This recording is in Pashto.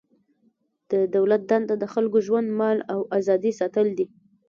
د دولت دنده د خلکو ژوند، مال او ازادي ساتل دي.